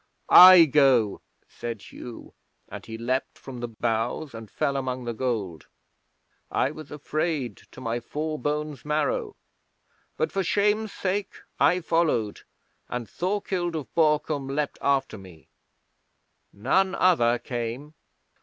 "I go," said Hugh, and he leaped from the bows and fell among the gold. I was afraid to my four bones' marrow, but for shame's sake I followed, and Thorkild of Borkum leaped after me. None other came.